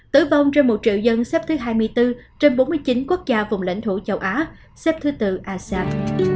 tử vong trên một triệu dân xếp thứ hai mươi bốn trên bốn mươi chín quốc gia vùng lãnh thổ châu á xếp thứ tự asean